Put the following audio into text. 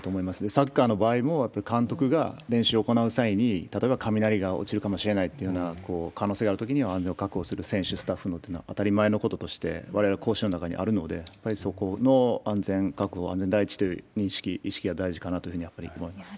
サッカーの場合も、やっぱり監督が練習を行う際に、例えば雷が落ちるかもしれないというような可能性があるときには安全を確保する、選手、スタッフのというのは当たり前のこととして、われわれ講師の中にあるので、やっぱりそこの安全確保、安全第一という認識、意識が大事かなというふうには思います。